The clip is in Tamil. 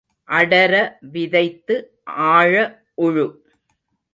அடர விதைத்து ஆழ உழு.